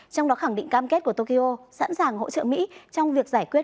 trong đó khẳng định cam kết của tokyo sẵn sàng hỗ trợ mỹ trong việc giải quyết